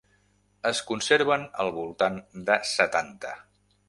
Es conserven al voltant de setanta.